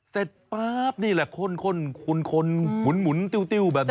ป๊าบนี่แหละคนหมุนติ้วแบบนี้